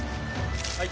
はい。